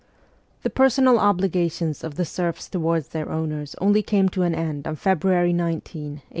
The personal obligations of the serfs towards their owners only came to an end on February 19, 1863.